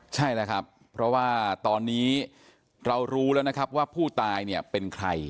ใช่แล้วครับเพราะว่าตอนนี้เรารู้แล้วนะครับว่าผู้ตายเนี่ยเป็นใคร